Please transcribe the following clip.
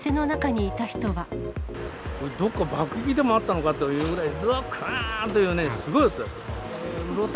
どっか爆撃でもあったのかというぐらい、どっかーんっていうね、すごい音だった。